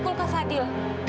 kaki dia mau tamatkanmu